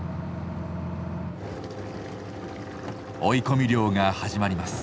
追い込み漁が始まります。